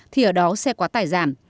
thì ở đó xe quá tải giảm